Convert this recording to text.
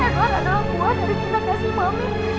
tidak ada alat buah dari cinta kasih mami